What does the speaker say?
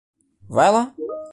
Vai lá